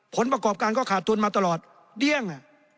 ผลประกอบการก็ขาดทุนมาตลอดเดี้ยง